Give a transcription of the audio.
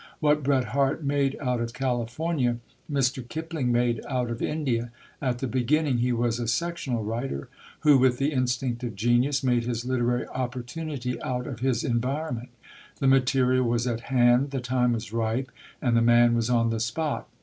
What Bret Harte made out of California Mr. Kipling made out of India; at the beginning he was a "sectional writer," who, with the instinct of genius, made his literary opportunity out of his environment. The material was at hand, the time was ripe, and the man was on the spot.